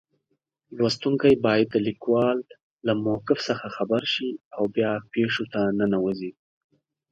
لوستونکی باید د لیکوال له موقف څخه خبر شي او بیا پېښو ته ننوځي.